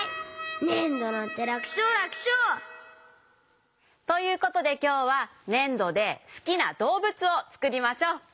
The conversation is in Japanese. ねんどなんてらくしょうらくしょう。ということできょうはねんどですきなどうぶつをつくりましょう。